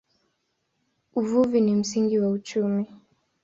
Uvuvi ni msingi wa uchumi.